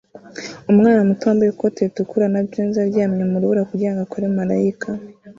Umwana muto wambaye ikoti ritukura na jans aryama mu rubura kugirango akore marayika